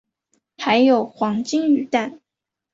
还有黄金鱼蛋